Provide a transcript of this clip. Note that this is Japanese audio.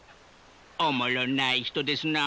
おもろない人ですなあ。